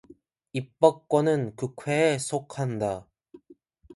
입법권은 국회에 속한다.